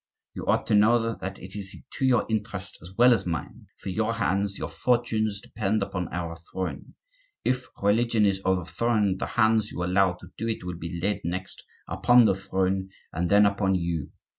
You ought to know that it is to your interest was well as mine, for your hands, your fortunes depend upon our throne. If religion is overthrown, the hands you allow to do it will be laid next upon the throne and then upon you.